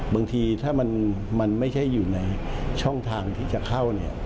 บางทีถ้ามันไม่ใช่อยู่ในช่องทางที่จะเข้า